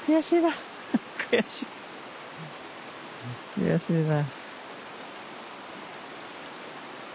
悔しいな。